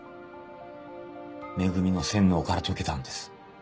「め組」の洗脳から解けたんです。